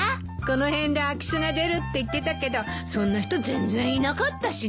この辺で空き巣が出るって言ってたけどそんな人全然いなかったしね。